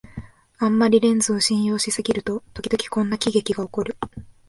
あんまりレンズを信用しすぎると、ときどきこんな喜劇がおこる